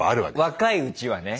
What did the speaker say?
若いうちはね。